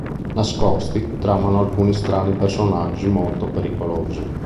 Nascosti, tramano alcuni strani personaggi molto pericolosi.